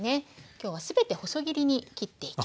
今日は全て細切りに切っていきます。